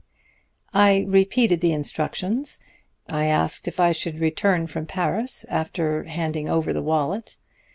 "I repeated the instructions. I asked if I should return from Paris after handing over the wallet.